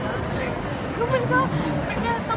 มีโครงการทุกทีใช่ไหม